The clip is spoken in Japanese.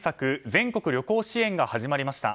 全国旅行支援が始まりました。